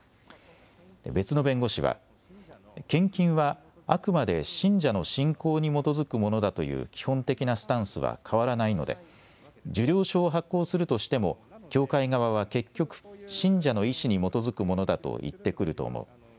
別の弁護士は献金はあくまで信者の信仰に基づくものだという基本的なスタンスは変わらないので受領証を発行するとしても教会側は結局、信者の意思に基づくものだと言ってくると思う。